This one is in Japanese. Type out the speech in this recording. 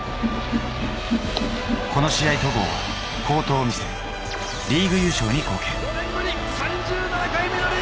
この試合、戸郷は好投を見せ、リーグ優勝に貢献。